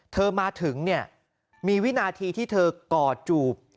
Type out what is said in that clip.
เธอมาถึงมีวินาทีที่เธอกอดจูบ